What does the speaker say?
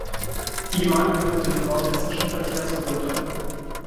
Die Gemeinde gehört dem Nordhessischen Verkehrsverbund an.